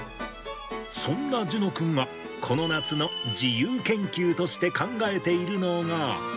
そんな諄之君がこの夏の自由研究として考えているのが。